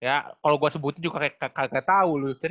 ya kalau gue sebutin juga kayak kakak tau lutin